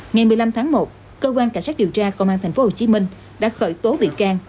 ngày một mươi năm tháng một cơ quan cảnh sát điều tra công an tp hcm đã khởi tố bị can